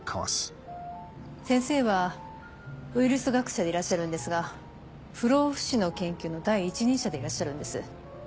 先生はウイルス学者でいらっしゃるんですが不老不死の研究の第一人者でいらっしゃるんです。